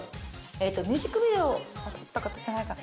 ミュージックビデオは撮ったか撮ってないか。